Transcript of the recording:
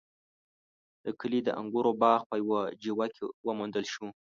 د کلي د انګورو باغ په يوه جیوه کې وموندل شو.